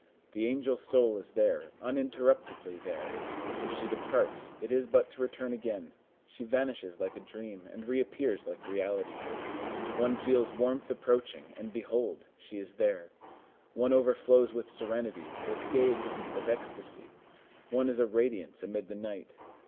The angel soul is there, uninterruptedly there; if she departs, it is but to return again; she vanishes like a dream, and reappears like reality. One feels warmth approaching, and behold! she is there. One overflows with serenity, with gayety, with ecstasy; one is a radiance amid the night.